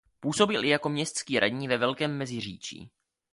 Působil i jako městský radní ve Velkém Meziříčí.